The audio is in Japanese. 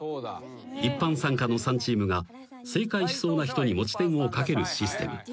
［一般参加の３チームが正解しそうな人に持ち点を賭けるシステム］